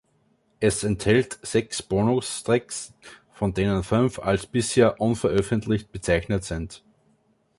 Es enthält sechs Bonus-Tracks, von denen fünf als „bisher unveröffentlicht“ bezeichnet sind.